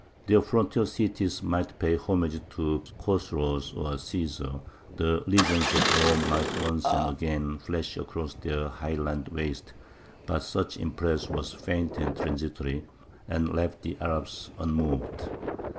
Their frontier cities might pay homage to Chosroes or Cæsar, the legions of Rome might once and again flash across their highland wastes; but such impress was faint and transitory, and left the Arabs unmoved.